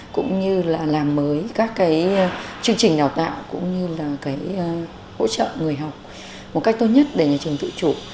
cũng như là làm mới các cái chương trình đào tạo cũng như là hỗ trợ người học một cách tốt nhất để nhà trường tự chủ